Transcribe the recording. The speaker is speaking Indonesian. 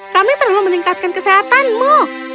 kami perlu meningkatkan kesehatanmu